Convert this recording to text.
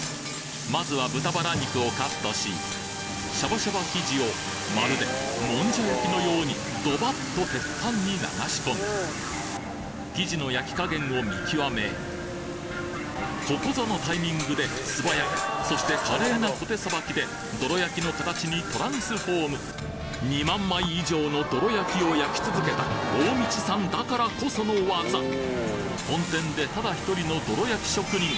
まずは豚バラ肉をカットしシャバシャバ生地をまるでもんじゃ焼きのようにドバっと鉄板に流し込み生地の焼き加減を見極めここぞのタイミングで素早くそして華麗なコテさばきでどろ焼の形にトランスフォーム２万枚以上のどろ焼を焼き続けた大道さんだからこその技本店でただ１人のどろ焼職人